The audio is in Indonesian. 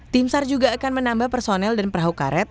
tim sar juga akan menambah personel dan perahu karet